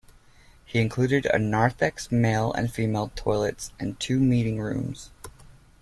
He included a Narthex, male and female toilets and two meeting rooms.